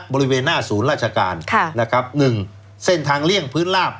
บริเวณหน้าศูนย์ราชการนะครับ๑เส้นทางเลี่ยงพื้นลาบ